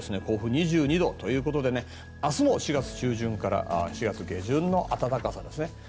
甲府、２２度ということで明日も４月中旬から４月下旬の暖かさですね。